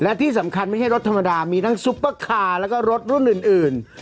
และที่สำคัญไม่ใช่รถธรรมดามีทั้งซุปเปอร์คาร์แล้วก็รถรุ่นอื่น